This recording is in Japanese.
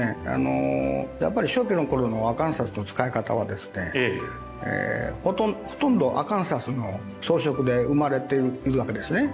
初期の頃のアカンサスの使い方はほとんどアカンサスの装飾で生まれているわけですね。